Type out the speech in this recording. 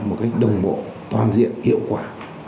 một cách đồng bộ toàn diện hiệu quả